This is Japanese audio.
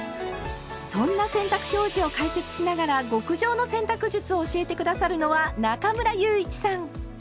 そんな洗濯表示を解説しながら極上の洗濯術を教えて下さるのは中村祐一さん。